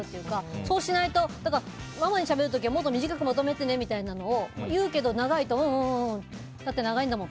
そうしないとママにしゃべる時は短くまとめてねみたいなのを言うけど長いと、うんうん。